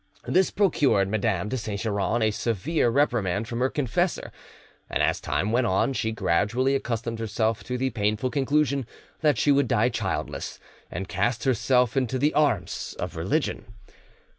This procured Madame de Saint Geran a severe reprimand from her confessor; and, as time went on, she gradually accustomed herself to the painful conclusion that she would die childless, and cast herself into the arms of religion.